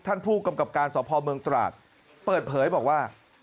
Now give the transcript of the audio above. ท่านผู้กำกับการสพเมืองตราดเปิดเผยบอกว่า